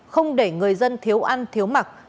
không để người dân thiếu ăn thiếu mặc